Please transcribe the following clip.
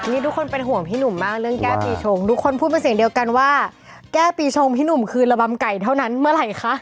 นี่ทุกคนเป็นห่วงพี่หนุ่มมากเรื่องแก้ปีชงทุกคนพูดเป็นเสียงเดียวกันว่าแก้ปีชงพี่หนุ่มคืนระบำไก่เท่านั้นเมื่อไหร่คะ